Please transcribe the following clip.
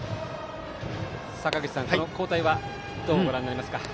坂口さん、この交代はどうご覧になりますか。